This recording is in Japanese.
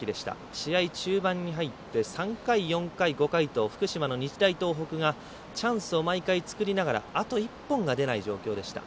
試合中盤に入って３回、４回、５回と福島の日大東北がチャンスを毎回作りながらあと１本が出ない状況でした。